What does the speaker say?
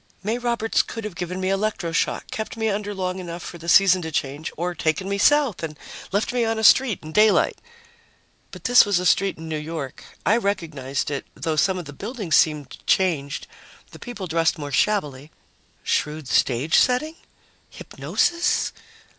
May Roberts could have given me electro shock, kept me under long enough for the season to change, or taken me South and left me on a street in daylight. But this was a street in New York. I recognized it, though some of the buildings seemed changed, the people dressed more shabbily. Shrewd stagesetting? Hypnosis?